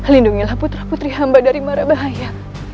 lindungilah putra putri hamba dari marah bahaya